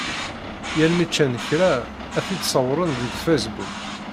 Yal mi ččan kra, ad t-id-ṣewwren deg Facebook.